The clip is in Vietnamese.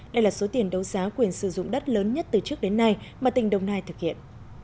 đây là số tiền đấu giá quyền sử dụng đất lớn nhất từ trước đến nay mà tỉnh đồng nai thực hiện